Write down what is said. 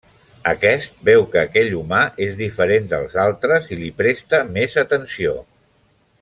Aquest veu que aquell humà és diferent dels altres i li presta més atenció.